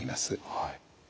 はい。